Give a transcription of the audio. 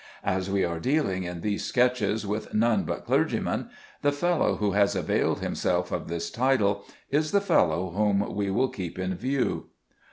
As we are dealing in these sketches with none but clergymen, the fellow who has availed himself of this title is the fellow whom we will keep in view.